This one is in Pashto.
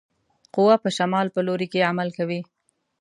قوه په شمال په لوري کې عمل کوي.